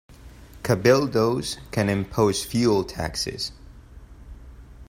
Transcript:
"Cabildos" can impose fuel taxes.